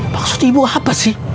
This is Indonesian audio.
maksud ibu apa sih